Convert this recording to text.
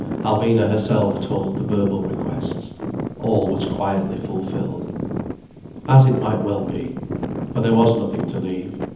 Alvina herself told the verbal requests. All was quietly fulfilled. As it might well be. For there was nothing to leave.